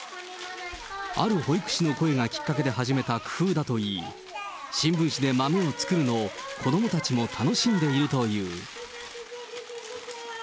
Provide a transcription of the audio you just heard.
ある保育士の声がきっかけで始めた工夫だといい、新聞紙で豆を作るのを子どもたちも楽しんでいるという。